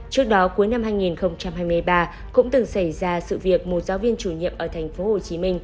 trước đó cuối năm hai nghìn hai mươi ba cũng từng xảy ra sự việc một giáo viên chủ nhiệm ở tp hcm